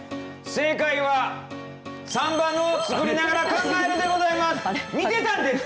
正解は、３番の作りながら考えるでございます。